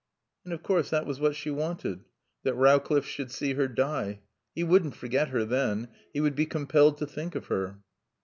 And of course that was what she wanted, that Rowcliffe should see her die. He wouldn't forget her then. He would be compelled to think of her.